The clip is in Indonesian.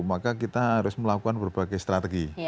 maka kita harus melakukan berbagai strategi